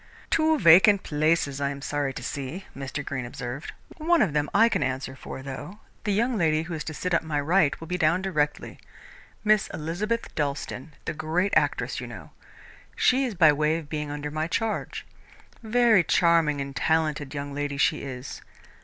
"Two vacant places, I am sorry to see," Mr. Greene observed. "One of them I can answer for, though. The young lady who is to sit on my right will be down directly Miss Elizabeth Dalstan, the great actress, you know. She is by way of being under my charge. Very charming and talented young lady she is.